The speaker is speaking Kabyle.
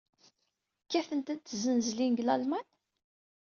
Kkatent-d tzenzlin deg Lalman?